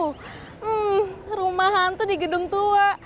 hmm rumah hantu di gedung tua